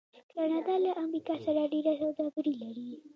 کاناډا له امریکا سره ډیره سوداګري لري.